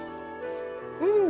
うん！